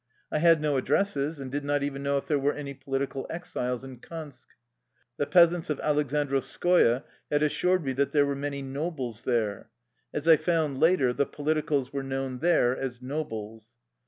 I had no addresses, and did not even know if there were any political exiles in Kansk. The peasants of Aleksandrov skoye had assured me that there were many " nobles " there. As I found later, the politicals were known there as " nobles."